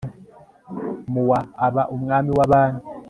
mu wa aba umwami w abami